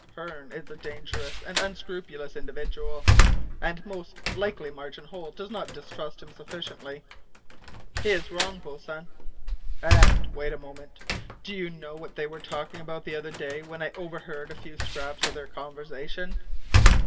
Hearne is a dangerous and unscrupulous individual, and most likely Martin Holt does not distrust him sufficiently." "He is wrong, boatswain." "And wait a moment do you know what they were talking about the other day when I overheard a few scraps of their conversation?"